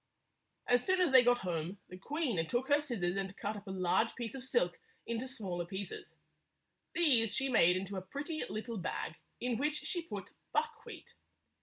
As soon as they got home, the queen took her scissors and cut up a large piece of silk into smaller pieces. These she made into a pretty little bag, in which she put buckwheat.